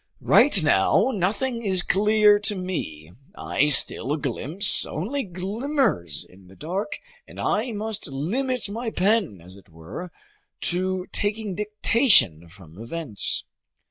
Right now, nothing is clear to me, I still glimpse only glimmers in the dark, and I must limit my pen, as it were, to taking dictation from events.